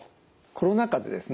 コロナ禍でですね